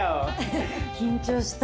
緊張した。